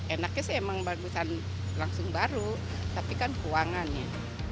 enaknya sih emang barusan langsung baru tapi kan keuangannya